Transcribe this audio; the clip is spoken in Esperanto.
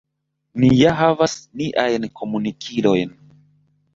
Ni ja havas niajn komunikilojn.